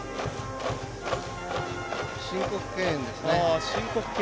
申告敬遠ですね。